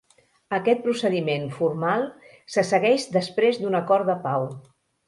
Aquest procediment formal se segueix després d'un acord de pau.